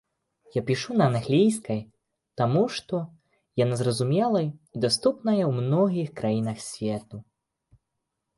Я пішу на англійскай таму што яна зразумелай і даступная ў многіх краінах свету.